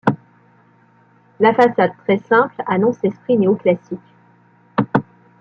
La façade très simple annonce l'esprit néoclassique.